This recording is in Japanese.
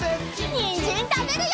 にんじんたべるよ！